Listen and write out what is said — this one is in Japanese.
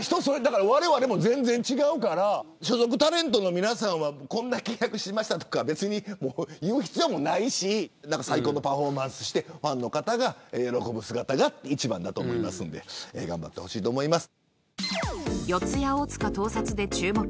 われわれも全然違うから所属タレントの皆さんはこんな契約しましたとか言う必要ないし最高のパフォーマンスしてファンの方が喜ぶ姿が一番だと思うので頑張ってほしいと思います。